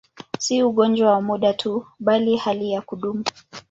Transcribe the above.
Si ugonjwa wa muda tu, bali hali ya kudumu.